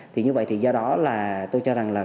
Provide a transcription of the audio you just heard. thì như vậy thì do đó là tôi cho rằng là